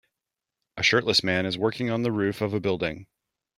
a shirtless man is working on the roof of a building.